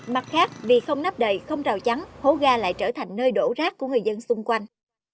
mặt khác vì không nắp đầy không rào chắn hố ga lại trở thành nơi đổ rác của người dân xung quanh